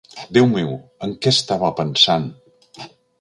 Déu meu, en què estava pensant?